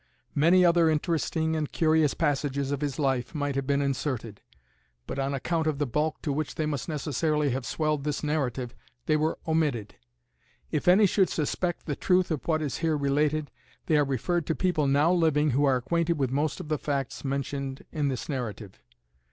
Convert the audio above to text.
Many other interesting and curious passages of his life might have been inserted, but on account of the bulk to which they must necessarily have swelled this narrative, they were omitted. If any should suspect the truth of what is here related, they are referred to people now living who are acquainted with most of the facts mentioned in this narrative.